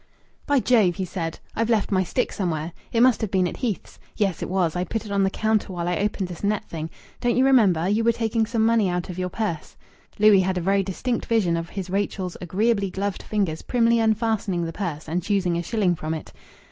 "By Jove!" he said, "I've left my stick somewhere. It must have been at Heath's. Yes, it was. I put it on the counter while I opened this net thing. Don't you remember? You were taking some money out of your purse." Louis had a very distinct vision of his Rachel's agreeably gloved fingers primly unfastening the purse and choosing a shilling from it.